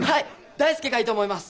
大介がいいと思います！